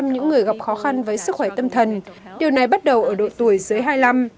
bảy mươi những người gặp khó khăn với sức khỏe tâm thần điều này bắt đầu ở độ tuổi dưới hai mươi năm